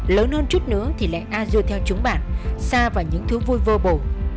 lớn hơn chút nữa thì lại a dù theo chúng bản xa vào những thứ vui vô bổ